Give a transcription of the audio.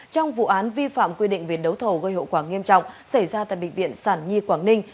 trong vụ án vi phạm quy định về đấu thầu gây hậu quả nghiêm trọng xảy ra tại bệnh viện sản nhi quảng ninh